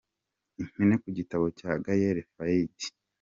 Impine ku gitabo cya Gaël Faye.